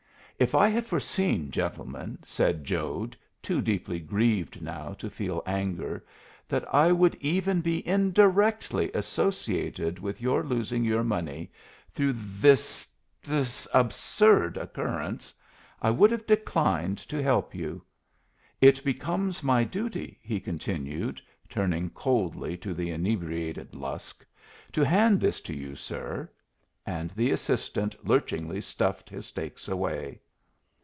"If I had foreseen, gentlemen," said Jode, too deeply grieved now to feel anger, "that I would even be indirectly associated with your losing your money through this this absurd occurrence, I would have declined to help you. It becomes my duty," he continued, turning coldly to the inebriated Lusk, "to hand this to you, sir." And the assistant lurchingly stuffed his stakes away.